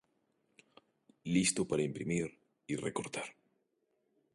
Listo para imprimir y recortar.